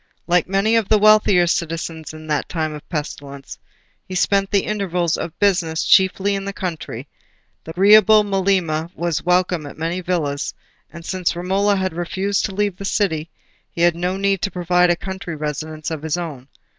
Like many of the wealthier citizens in that time of pestilence, he spent the intervals of business chiefly in the country: the agreeable Melema was welcome at many villas, and since Romola had refused to leave the city, he had no need to provide a country residence of his own.